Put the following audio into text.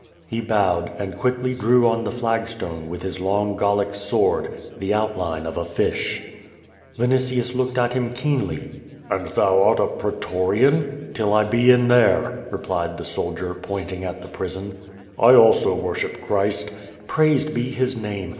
He bowed, and quickly drew on the flag stone, with his long Gallic sword, the outline of a fish. Vinitius looked at him keenly. "And thou art a pretorian?" " Till I be in there," replied the soldier, pointing at the prison. "I also worship Christ." "Praised be His name!